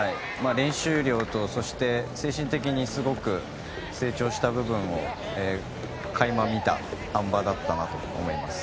練習量と、そして精神的にすごく成長した部分をかいま見たあん馬だったなと思います。